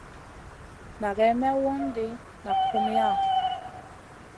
Nʼagai mey wondi nak humiya?